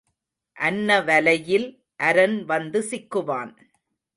அன்ன வலையில் அரன் வந்து சிக்குவான்.